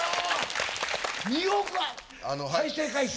２億再生回数。